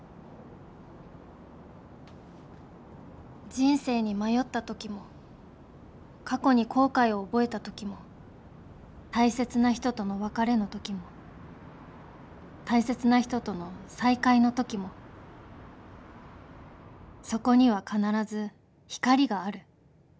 人生に迷った時も過去に後悔を覚えた時も大切な人との別れの時も大切な人との再会の時もそこには必ず光がある。